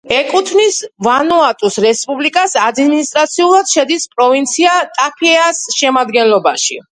ეკუთვნის ვანუატუს რესპუბლიკას, ადმინისტრაციულად შედის პროვინცია ტაფეას შემადგენლობაში.